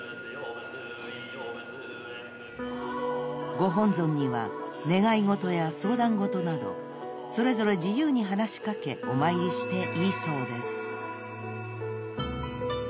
［ご本尊には願い事や相談事などそれぞれ自由に話し掛けお参りしていいそうです］